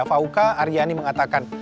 fauka aryani mengatakan